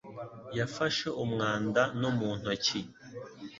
yafashe umwanda no mu ntoki